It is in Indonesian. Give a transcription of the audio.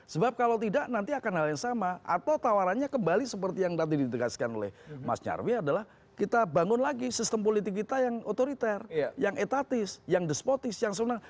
sebab kalau tidak nanti akan hal yang sama atau tawarannya kembali seperti yang nanti ditegaskan oleh mas nyarwi adalah kita bangun lagi sistem politik kita yang otoriter yang etatis yang despotis yang senang